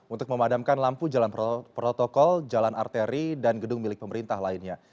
untuk memadamkan lampu jalan protokol jalan arteri dan gedung milik pemerintah lainnya